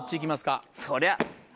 そりゃあ。